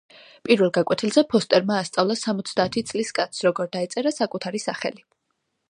პირველ გაკვეთილზე ფოსტერმა ასწავლა სამოცდაათი წლის კაცს, როგორ დაეწერა საკუთარი სახელი.